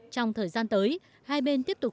trong thời gian tới hai bên tiếp tục